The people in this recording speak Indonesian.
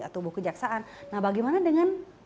tubuh kejaksaan nah bagaimana dengan